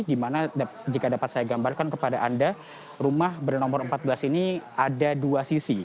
dimana jika dapat saya gambarkan kepada anda rumah bernomor empat belas ini ada dua sisi